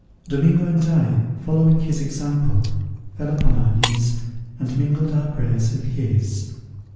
Domingo and I, following his example, fell upon our knees, and mingled our prayers with his.